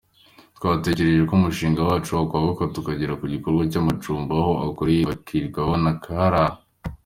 Twatekereje ko umushinga wacu wakwaguka tukagera ku gikorwa cy’amacumbi, aho abahakoreye bahakirirwa bakanaharara.